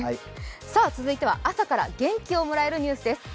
続いては朝から元気をもらえるニュースです。